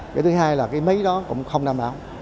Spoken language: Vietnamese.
cái thứ hai là cái mấy đó cũng không đảm bảo